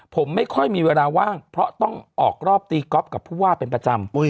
ผมไม่ค่อยมีเวลาว่างเพราะต้องออกรอบตีก๊อฟกับผู้ว่าเป็นประจำ